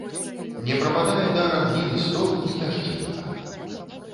Не прападае дарам ні лісток, ні пясчынка.